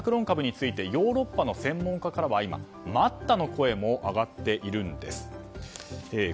株についてヨーロッパの専門家からは今待ったの声も上がっているんです。